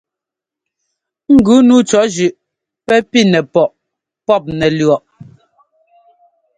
Ŋgʉ nǔu cɔ̌ zʉꞌ pɛ́ pi nɛpɔꞌ pɔ́p nɛlʉ̈ɔꞌ.